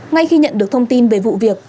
ngay khi nhận được thông tin về vụ việc